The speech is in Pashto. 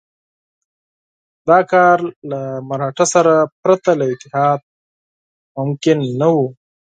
دا کار له مرهټه سره پرته له اتحاد ممکن نه وو.